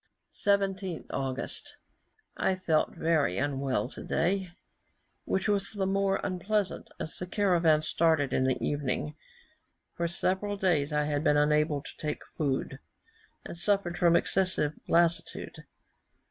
17th August. I felt very unwell today, which was the more unpleasant, as the caravan started in the evening. For several days I had been unable to take any food, and suffered from excessive lassitude.